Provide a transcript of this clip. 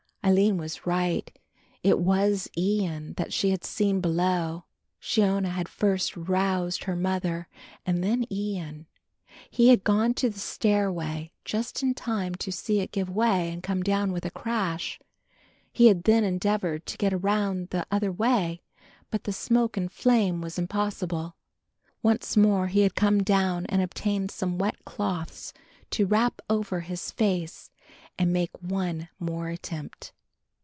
Aline was right; it was Ian that she had seen below. Shiona had first roused her mother and then Ian. He had gone to the stairway just in time to see it give way and come down with a crash. He had then endeavoured to get round the other way, but the smoke and flame was impossible. Once more he had come down and obtained some wet cloths to wrap over his face and make one more attempt.